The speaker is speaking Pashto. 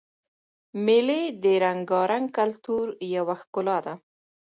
مېلې د رنګارنګ کلتور یوه ښکلا ده.